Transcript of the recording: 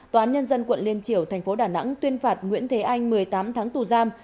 tòa án nhân dân quận liên triểu thành phố đà nẵng tuyên phạt nguyễn thế anh một mươi tám tháng tù giam